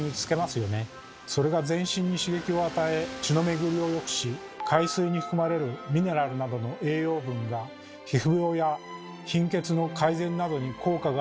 それが全身に刺激を与え血の巡りをよくし海水に含まれるミネラルなどの栄養分が皮膚病や貧血の改善などに効果があると言われています。